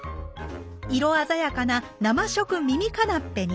色鮮やかな「生食みみカナッペ」に。